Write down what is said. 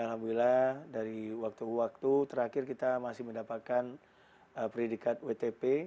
alhamdulillah dari waktu ke waktu terakhir kita masih mendapatkan predikat wtp